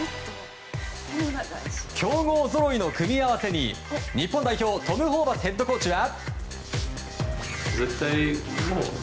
強豪ぞろいの組み合わせに日本代表、トム・ホーバスヘッドコーチは。